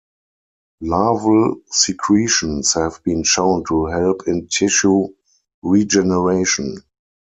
Larval secretions have been shown to help in tissue regeneration.